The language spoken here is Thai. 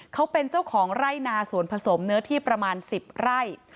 เขาเป็นเจ้าของไร่นาสวนผสมเนื้อที่ประมาณ๑๐ไร่